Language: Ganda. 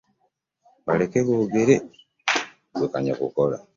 Baleke boogere ggwe kanya kukola.